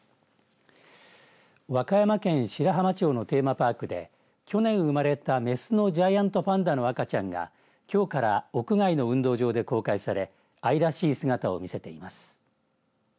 和歌山県白浜町のテーマパークで去年生まれたメスのジャイアントパンダの赤ちゃんがきょうから屋外の運動場で公開され愛らしい姿を見せています。